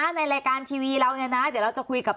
ในรายการทีวีเราเนี่ยนะเดี๋ยวเราจะคุยกับ